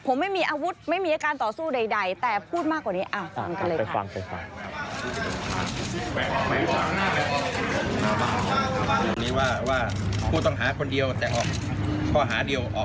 ผมไม่มีอาวุธไม่มีอาการต่อสู้ใดแต่พูดมากกว่านี้